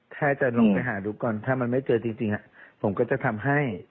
ถ้าจะลองไปหาดูก่อนถ้ามันไม่เจอจริงผมก็จะทำให้